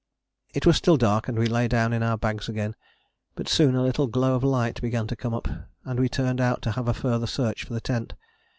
It was still dark and we lay down in our bags again, but soon a little glow of light began to come up, and we turned out to have a further search for the tent.